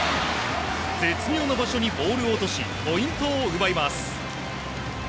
絶妙の場所にボールを落としポイントを奪います。